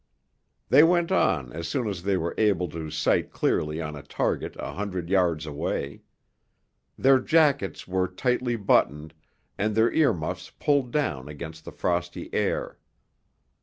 They went on as soon as they were able to sight clearly on a target a hundred yards away. Their jackets were tightly buttoned and their earmuffs pulled down against the frosty air.